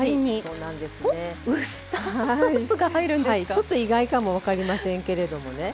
ちょっと意外かも分かりませんけれどもね。